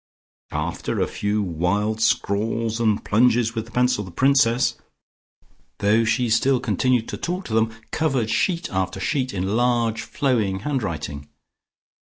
After a few wild scrawls and plunges with the pencil, the Princess, though she still continued to talk to them, covered sheet after sheet in large flowing handwriting.